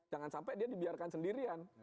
jangan sampai dia dibiarkan sendirian